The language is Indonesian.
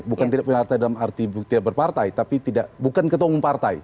bukan tidak punya partai dalam arti tidak berpartai tapi bukan ketua umum partai